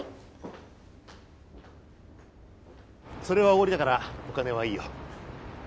それはおごりだからお金はいいよ。